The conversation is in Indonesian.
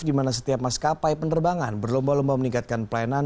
dimana setiap maskapai penerbangan berlomba lomba meningkatkan pelayanan